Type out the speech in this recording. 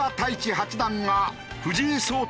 八段が藤井聡太